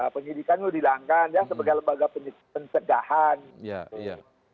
penyidikannya mau dihilangkan sebagai lembaga pencegahan